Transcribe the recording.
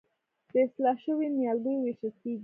د اصلاح شویو نیالګیو ویشل کیږي.